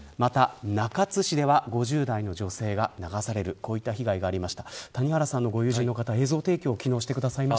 また、中津市では５０代の女性が流されるという被害がありました。